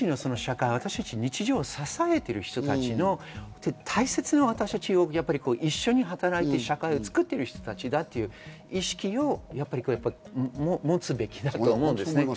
私たち日常を支えている人たちの大切な、私たちと一緒に働いて、社会を作っている人たちだという意識を持つべきです。